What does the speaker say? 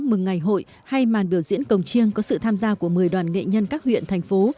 mừng ngày hội hay màn biểu diễn cồng chiêng có sự tham gia của một mươi đoàn nghệ nhân các huyện thành phố